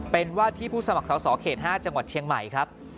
เป็นว่าที่ผู้สมัครสอสอเขต๕จังหวัดเชียงใหม่ครับ